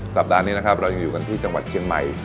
สัปดาห์นี้นะครับเรายังอยู่กันที่จังหวัดเชียงใหม่